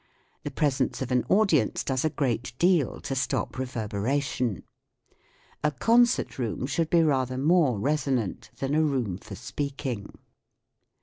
The presence of an audience does a great deal to stop reverberation. A concert room should be rather more resonant than a room for speaking.